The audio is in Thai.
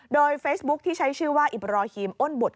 โดยเฟซบุ๊คที่ใช้ชื่อว่าอิบราฮีมอ้นบุตร